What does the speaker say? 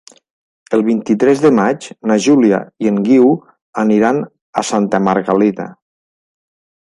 El vint-i-tres de maig na Júlia i en Guiu iran a Santa Margalida.